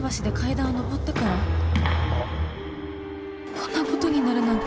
こんなことになるなんて。